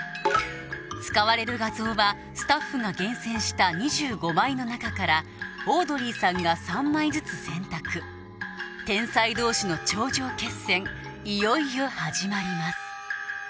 使われる画像はスタッフが厳選した２５枚の中からオードリーさんが３枚ずつ選択天才同士の頂上決戦いよいよ始まります